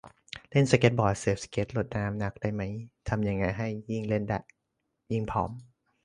เล่นสเกตบอร์ด เซิร์ฟสเกต ลดน้ำหนักได้ไหม ทำยังไงให้ยิ่งเล่นยิ่งผอม